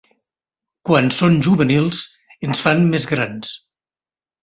Quan són juvenils ens fan més grans.